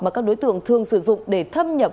mà các đối tượng thường sử dụng để thâm nhập